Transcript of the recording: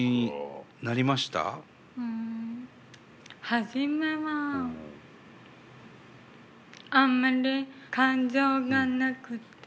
初めはあんまり感情がなくて。